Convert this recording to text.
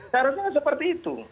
seharusnya seperti itu